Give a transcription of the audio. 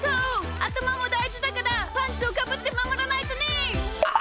あたまもだいじだからパンツをかぶってまもらないとね！